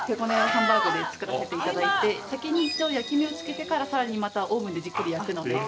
ハンバーグで作らせて頂いて先に焼き目をつけてからさらにまたオーブンでじっくり焼くので。